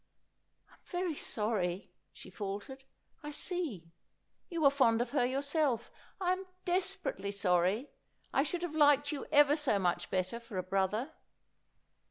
' I am very sorry,' she faltered. ' I see. You were fond of her yourself. I am desperately sorry. I should have liked you ever so much better for a brother.'